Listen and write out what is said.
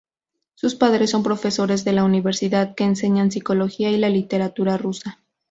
Sus padres son profesores de la Universidad, que enseñan psicología y la literatura rusa.